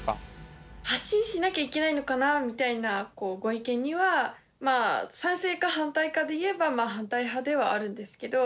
発信しなきゃいけないのかなみたいなご意見にはまあ賛成か反対かで言えば反対派ではあるんですけど。